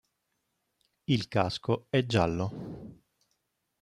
Il casco è giallo.